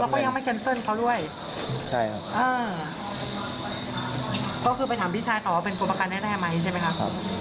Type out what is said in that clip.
ก็คือไปถามพี่ชายต่อว่าเป็นตัวประกันให้ได้ไหมใช่ไหมครับ